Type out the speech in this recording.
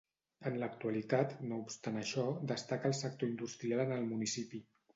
En l'actualitat, no obstant això, destaca el sector industrial en el municipi.